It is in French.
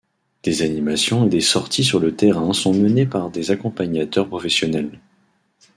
Des animations et des sorties sur le terrain sont menées par des accompagnateurs professionnels.